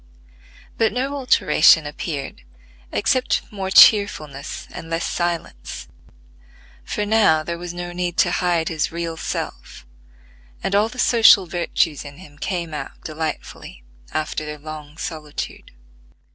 But no alteration appeared, except more cheerfulness and less silence; for now there was no need to hide his real self, and all the social virtues in him came out delightfully after their long solitude.